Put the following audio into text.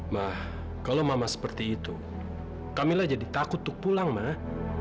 mah kalau mama seperti itu kamilah jadi takut untuk pulang mah